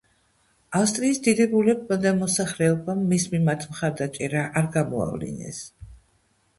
ავსტრიის დიდებულებმა და მოსახლეობამ მის მიმართ მხარდაჭერა არ გამოავლინეს.